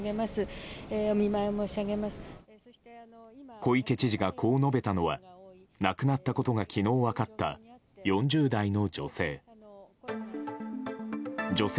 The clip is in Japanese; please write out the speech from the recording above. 小池知事が、こう述べたのは亡くなったことが昨日分かった４０代の女性。